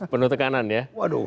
penuh tekanan ya